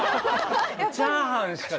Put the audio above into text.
チャーハンしか。